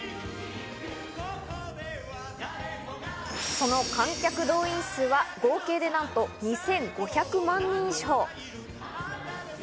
その観客動員数は合計でなんと２５００万人以上。